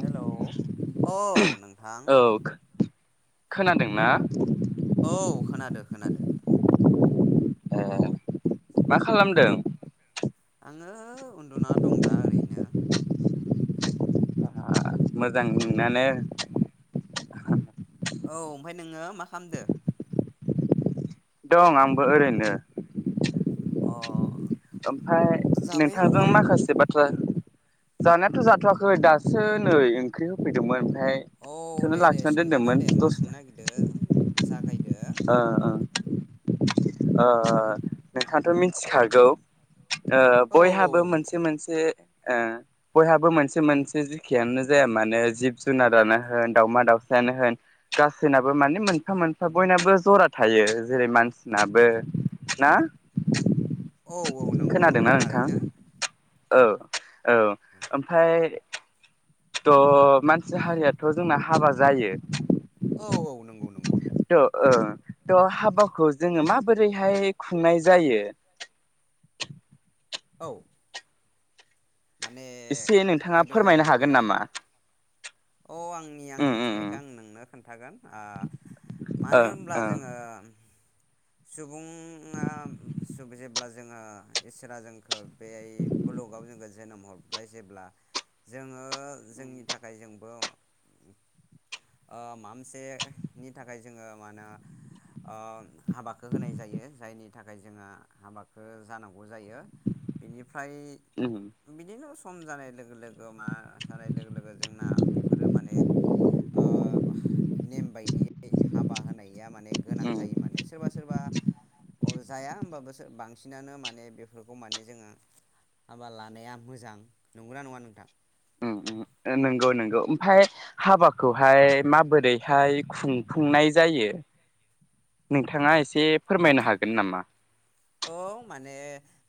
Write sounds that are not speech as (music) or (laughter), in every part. Hello औ नोंथां औ खोनादोंना औ खोनादो खोनादों ए मा खालामदों आङो उन्दुना दं दा ओरैनो (inaudible) आ मोजां नुनानै औ ओमफ्राय नोङो मा खामदो दं आंबो ओरैनो अ ओमफाय जाबायना नोंथांजों ओंखाम माखासे बाथ जानायाथ' जाथ'वाखै दासो नै ओंख्रि होफैदोंमोन ओमफ्राय औ बेखौनो दे दे लाखिनानै सोंजागोन दोनदोंमोन दे मा दसे सोंनो नागिरदों जागायदो। ओ ओ नोंथाङाथ' मिथिखागौ ओ औ औ औ बयहाबो मोनसे मिथिगौ मोनसे ओ बयहाबो मोनसे मोनसे जेखियानो जाया मानो जिब ओ जुनारानो होन दाावमा दाउसायानो होन गासैनाबो माने मोनफा मोनफा बयनाबो जरा थायो जेरै मानसिनाबो ना औ औ नंगौ नंगौ थारैनो ओ औ ओमफाय थ' मानसि हारियाथ' जोंना हाबा जायो औ औ नंगौ नंगौ अ ओ थ' हाबाखौ जोङो माबोरैहाय खुंनाय जायो? औ माने एसे नोंथाङा गोदो फोरमायनो हागोन गोदाय नामा? औ आंनि आं उम मिथिनायखो आं उम नोंनो खोन्थागोन ओ मानो उम होनब्ला ओं जोङो सुबुङा सु जेब्ला जोङो इसोरा जोंखो बेयाय बुलुगाव जोंखौ जोनोम हरबाय जेब्ला जोङो जोंनि थाखाय जों औ ओ मा मोनसेनि थाखाय जोङो मा होनो ओ हाबाखौ होनाय जायो जायनि थाखाय जोङो हाबाखौ जानांगौ। जायो बिनिफ्राय ओं उम बिदिनो सम जानाय लोगो लोगो मा जानाय लोगो लोगो जोंना बेफोरो माने ओ नेम बायदियै हाबा होनाय गैया माने गोनां उम जायो माने सोरबा सोरबा अ जाया होमबाबोसो बांसिनानो माने बेफोरखौ माने जोङो हाबा लानाया मोजां। नंगौना नङा नोंथां? ओम ओम अ नंगौ नंगौ ओमफाय हाबाखौहाय माबोरैहाय खुंफुंनाय जायो नोंथाङा एसे फोरमायनो हागोन नामा? औ माने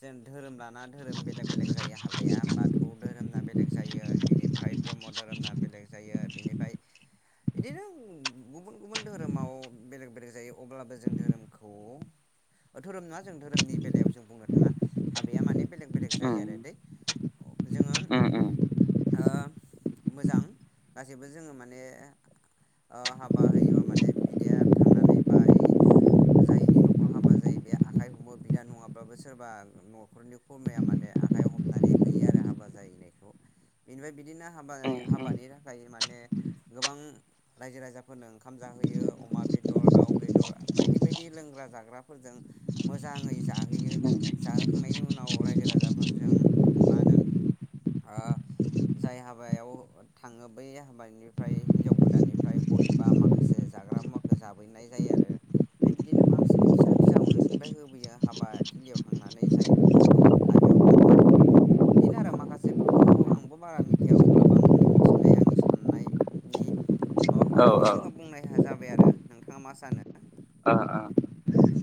जेन धोरोम लाना धोरोम बेलेग बेलेग जायो हाबाया बाथौ धोरोमना बेलेग जायो, बेनिफ्राय ब्रह्म धोरोमना बेलेग जायो बेनिफाय इदिनो गुबुन गुबुन धोरोमाव बेलेग बेलेग जायो अब्लाबो जों धोरोमखौ ओ धोरोम नङा। जों धोरोमनि बेलायाव जों बुंनो थाङा हाबाया माने बेलेग बेलेग उम जायो आरो दे जोङो। उम उम ओ मोजां गासैबो जोङो माने ओ हाबा होयोबा माने बिदाया थांनानै बा ओइ जायनि न'खराव हाबा जायो बे आ खाइ हमो बिदा नङाब्लाो सोरबा न'खरनि खुरमाया माने आखाइ हमनानै हैयो आरो हाबा जाहैनायखौ बेनिफ्राय बिदिनो हाबा उम उम हाबानि थाखाय माने गोबां रायजो राजाफोरनो ओंखाम जाहोयो अमा बेदर दाउ बेदर बायदि बायदि लोंग्रा जाग्राफोरजों मोजाङै जाहोयो जाहोखांनायनि उनाव रायजो राजाफोरजों मा होनो ओ जाय हाबायाव थाङो बै हाबानिफ्राय हिनजाव गोदाननिफ्राय गयबा माखासे जाग्रा मुवाखौ जाबोयनाय जायो आरो ओमफ्राय बिदिनो मोनसे फिसा फिसा अनसु निफाय होबोयो हाबा थिलियाव थांनानै जायफोर हाबायाव थाङो दिनो आरो माखासेफोरखौ आंबो बारा मिथिया अब्लाबो आंनि मिथिनाय आंनि साननायनि औ माबाफोरखौ नोंनि औ सिगाङाव बुंनो हा जाबाय आरो नोंथाङा मा सानो?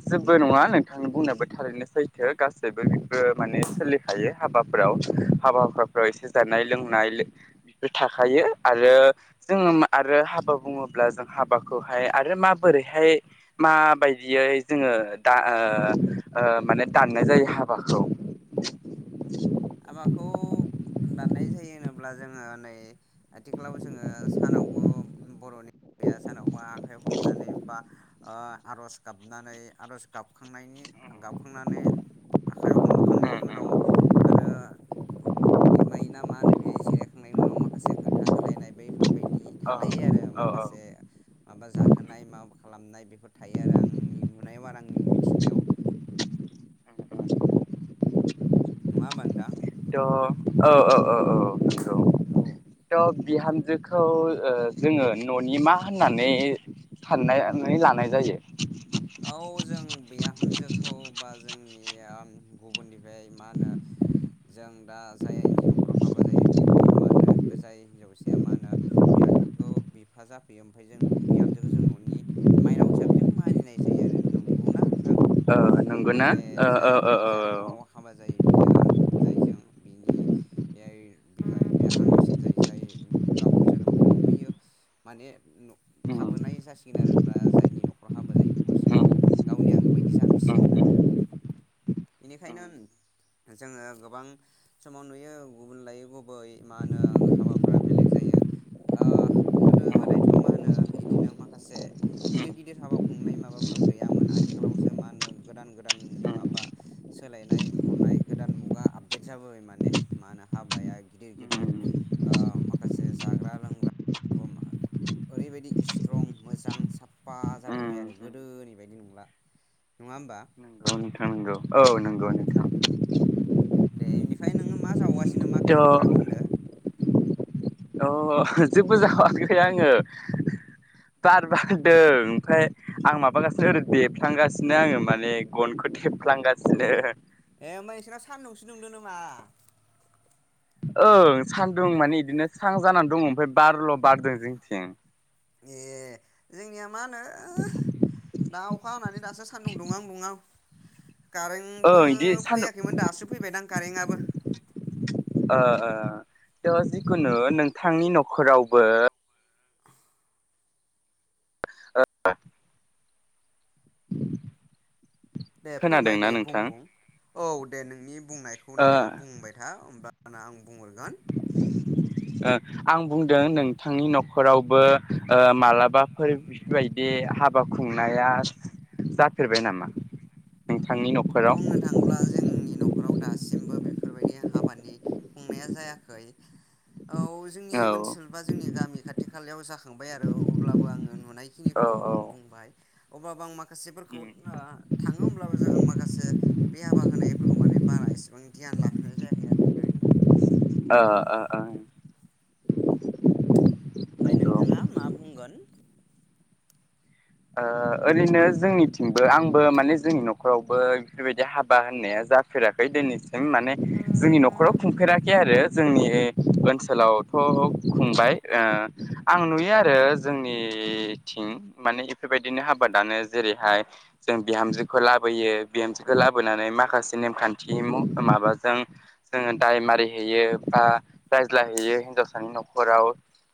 जोबो नङा नोंथांनि बुंनायाबो थारैनो सैथो गासैबो बेफोर माने सोलिखायो हाबाफ्राव। हाबा हुखाफ्राव एसे जानाय लोंनाय ले बेफोर थाखायो आरो जोङो आरो हाबा बुङोब्ला जों हाबाखौहाय आरो माबोरैहाय माबायदियै जोङो दा ओ ओ माने दाननाय जायो हाबाखौ। हाबाखौ दाननाय जायो होनोब्ला जोङो नै आथिखालाव जोङो सानावबो बर'नि हाबाया सानाव मा आखाइ हमनानै बा अ आर'ज गाबनानै आर'ज गाबखांनायनि गाबखांनानै आखाइ हमखांनायनि उनाव आरो बिमाय ना मा होनो बे जिरायखांनायनि उनाव माखासे खोन्था होलायनाय बैफोरबायदि औ थालायो आरो औ माखासे माबा जाहोनाय माबा खालामनाय बेफोर थायो आरो आंनि नुनायाव आरो आंनि मिथिनायाव नङा होमबा नोंदां? थ' औ औ औ औ। औ। थ' बिहामजोखौ ओ जोङो न'नि मा होननानै साननायनै लानाय जायो? औ जों बिहामजोखौ बा जोंनि गुबुननिफ्राय मा होनो जों दा जायनि न'खराव हाबा जायो बेखौ मा होनो जाय हिनजावसाया मा होनो बिमा बिफाखौ बिफा जाफैयो ओमफाय जों बिहामजोखौ जों न'नि माइनाव हिसाबै जों मानिनाय जा जायो आरो नोंगौना नोंथां ओ नंगौना? माने ओ जाय ओ ओ ओ बिहामजोआ औ न'आव हाबा जायो बियो जायजों बिनि एआइ बिमा बिफाया आंनिसिन जायो जाय गावखौ जोनोम होदोंमोन बैयो माने न' थाबोनाय जासिगोन आरो बा जायनि न'खराव हाबा जायो बे बुरसो नंगौ गावनि आंगो बायदि जाफैसिगोन आरो इनिखायनो जोङो गोबां समाव नुयो गुबुन लायै गुबै मा होनो हाबाफोरा बेलेग जायो ओ गोदो गोदायथ' मा होनो इदिनो माखासे गिदिर गिदिर हाबा खुंनाय माबा फोर गैयामोन आथिखालावसो मा होनो गोदान गोदाननि माबा सोलायनाय हनाय गोदान मुगा आपदेट जाबोबाय माने मा होनो हाबाया गिदिर गिदिर ओ माखासे जाग्रा लोंग्रा ओरैबायदि इस्ट्रं मोजां साफा जाबोबाय आरो। गोदोनि बायदि नंला नङा होमबा। गौ औ नंगौ नोंथां। दे इनिफाय नोङो मा जावगासि दिनो मा थ' क्राक क्राक होनदो? अ जेबो जावाखै आङो बार बारदों ओमफ्राय आं माबागासिनो ओरै देफ्लांगासिनो आङो माने गनखौ देफ्लांगासिनो ए होमबा इसोरना सान्दुंसो दुंदो नामा? ओं सान्दुं माने इदिनो स्रां जानानै दङ ओमफ्राय बारल' बारदों जोंथिं ए जोंनिया मा होनो ओ दा अखा हानानै दासो सान्दुं दुंआं दुंआं कारेंबो ओं इदि सान्दुं फैयाखैमोन दासो फैबायदां कारेंआबो। दा जिखुनु नोंथांनि न'खरावबो (unintelligible) दे फोरमाय खोनादोंना दे बुं नोंथां बुं औ दे नोंनि बुंनायखौ ओ नोङो बुंबाय था होमबा आना आं बुंहरगोन ओ आं बुंदों नोंथांनि न'खरावबो ओ मालाबाफोर बेफोरबायदि हाबा खुंनाया जाफेरबाय नामा? नोंथांनि न'खराव बुंनो थाङोब्ला जोंनि न'खराव दासिमबो बे फोरबायदि हाबानि खुंनाया जायाखै। औ जोंनि औ ओनसोल बा जोंनि गामि खाथि खालायाव जाखांबाय आरो अब्लाबो आङो नुनायखिनिखौ औ आं बुंबाय। अबाबो आं मा खासेफोरखौ उम ओ थाङो होमब्लाबो जों आं माख बे हाबा होनायफोरखौ माने बारा एसेबां ध्यान लाफेरनाय जायाखै आरो दै। ओ ओ ओं। ओमफाय नोंथाङा मा बुंगोन? ओ ओरैनो जोंनिथिंबो आंबो माने जोंनि न'खरावबो बेफोरबायदि हाबा होननाया जाफेराखै दिनैसिम। सिम माने जोंनि न'खराव खुंफेराखै आरो। जोंनि ओनसोलावथ' खुंबाय ओ आं नुयो आरो जोंनिथिं माने बेफोर बायदिनो हाबा दानो जेरैहाय जों बिहामजोखौ लाबोयो बिहामजोखौ लाबोनानै माखासे नेमखान्थि माबाजों जोङो दाय मारिहैयो बा रायज्लायहैयो हिनजावसानि न'खराव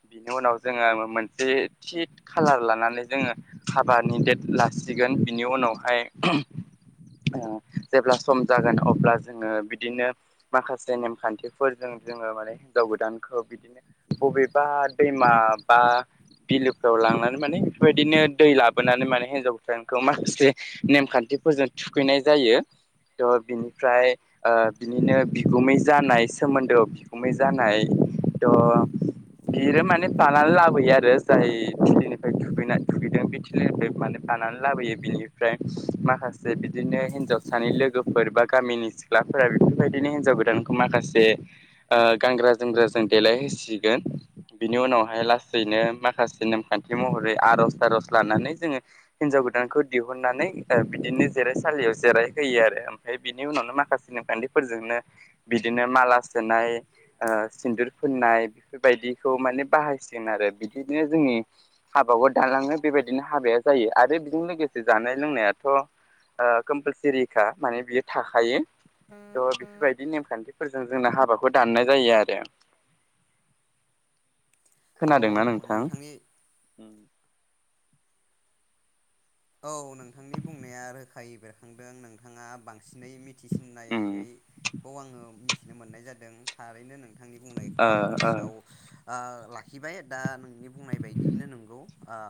बिनि उनाव जोङो मोनसे थि खालार लानानै जोङो। हाबानि देट लासिगोन बिनि उनावहाय ओ जेब्ला सम जागोन अब्ला जोङो बिदिनो माखासे नेमखान्थिफोरजों जोङो माने हिन्जाव गोदानखौ बिदिनो बबेबा दैमा बा बिलोफ्राव लांनानै माने बेफोरबायदिनो। दै लाबोनानै माने हिजाव गोदानखौ माखासे नेमखान्थिफोरजों थुखैनाय जायो तह बिनिफ्राय ओ बिनिनो बिगुमै जानाय सोमोन्दोआव बिगुमै जानाय थह बियो माने बानानै लाबोयो आरो जाय थिलिनिफ्रा थुखैनाय थुखै। (unintelligible) माने बानानै लाबोयो बिनिफ्राय माखासे बिदिनो हिनजावसानि लोगोफोर बा गामिनि सिख्लाफोरा बेफोरबायदिनो हिनजाव गोदानखौ माखासे ए ओ गानग्रा जोमग्रा जों देलायहोसिगोन बिनि उनावहाय लासैनो माखासे नेमखान्थि महरै आर'ज थार'ज। लानानै जोङो हिनजाव गोदानखौ दिहुननानै ओ बिदिनो जिरायसालियाव जिराय होयो आरो ओमफ्राय बिनि उनावनो माखासे नेमखान्थिफोरजोंनो बिदिनो माला सोनाय ओ सिन्धुर फुननाय बेफोर बायदिखौ माने बाहाय सिगोन आरो बिदिनो जोंनि हाबाखौ दानलां बेबायदिनो हाबाया जायो आरो बेजों लोगोसे जानाय लोंनाया दं,, ररथ कम्पालथोरिखा माने बियो थाखायो थह बेफोरबायदि नेमखान्थिफोरजों जोंनो हाबा माबाखौ दाननाय जायो आरो। औ खोनादोंना नोंथां? नोंथांनि औ नोंथांनि बुंनाया रोखायै बेरखांदों नोंथाङा बांसिनै उम मिथिसिन्नायैखौ आङो मिथिनो मोननाय जादों। थारैनो नोंङो नोंथांनि बुंनायखौ ओ आं ओ गोसोआव आ लाखिबाय दा नोंनि बुंनाय बायदियैनो नोंगौ ओ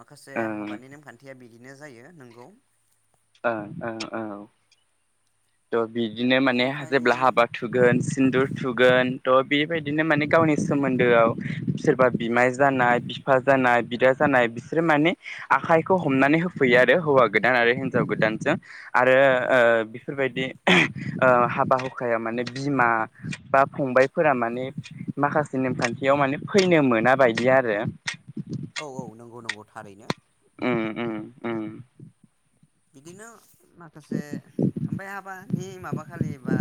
माखासे ओ हाबानि नेमखान्थि। बिदिनो जायो नोंगौ। ओ ओ औ। (unintelligible) बिदिनो माने बेनिफ्राय जेब्ला हाबा थुगोन सिन्दुर थुगोन। थ' बेबायदिनो माने गावनि सोमोन्दोआव सोरबा बिमाय जानाय बिफा जानाय बिदा जानाय बिसोरो माने आखाइखौ हमनानै होफैयो आरो हौवा गोदान आरो हिनजाव गोदानजों आरो ओ बेफोरबायदि (unintelligible) ओ हाबा हुखायाव माने बिमा बा फंबायफोरा माने माखासे नेमखान्थियाव माने फैनो मोना बायदि आरो। औ औ नोंगौ नोंगौ। थारैनो उम उम उम बिदिनो माखासे ओमफाय हाबानि माबा खालि बा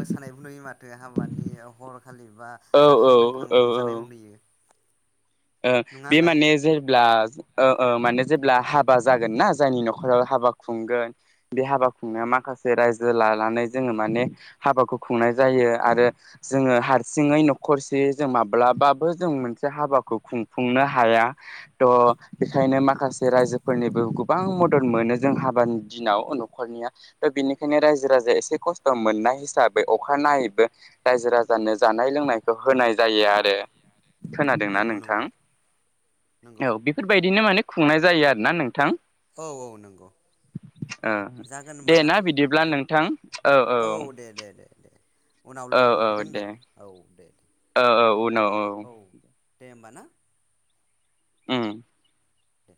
मोसानायबो नुयो माथो हाबानि हरखालि बा औ जाखां औ लोंखां औ औ रंजानायबो नुयो। ओ नङा बे होनलाय माने जेब्ला ओ ओ माने जेब्ला हाबा जागोन ना जायनि न'खराव हाबा खुंगोन बे हाबा खुंनायाव माखासे रायजो लानानै जोङो माने हाबाखौ खुंनाय जायो आरो जोङो हारसिङै न'खरसे जों माब्लाबाबो जों मोनसे हाबा खौ खुंफुंनो हाया थ' बेखायनो माखासे रायजोफोरनिबो गोबां मदद मोनो जों हाबानि दिनाव न'खरनिया त' बेनिखायनो रायजो राजाया एसे खस्थ' मोननाय हिसाबै अखानायैबो रायजो राजानो जानाय लोंनायखौ होनाय जायो आरो। खोनादोंना नंगौ नों--! थां नंगौ नंगौ औ बेफोरबायदिनो माने खुंनाय जायो आरोना नोंथां औ औ नंगौ ओ जागोन दे होमबा ना बिदिब्ला नोंथां औ औ दे दे दे दे उनाव औ लोगो औ मोनफैगोन दे औ दे दे औ औ उनाव औ दे होमबा ना उम दे